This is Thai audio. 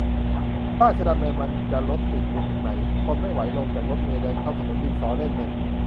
ราชดำเนินมันจะรถติดไปถึงไหน ทนไม่ไหว ลงจากรถเมล์ เดินเข้าถนนดินสอ เล่นเน็ต !